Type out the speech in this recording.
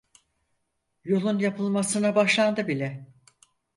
Yolun yapılmasına başlandı bile.